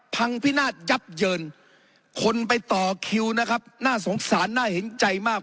พินาศยับเยินคนไปต่อคิวนะครับน่าสงสารน่าเห็นใจมาก